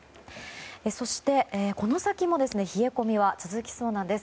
そして、この先も冷え込みは続きそうなんです。